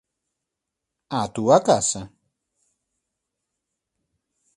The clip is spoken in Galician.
Á túa casa?